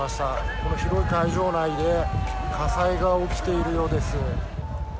この広い会場内で火災が起きているようです。